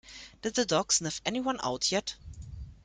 Did the dog sniff anyone out yet?